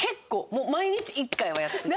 もう毎日１回はやってた。